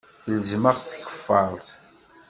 Telzem-aɣ tkeffart.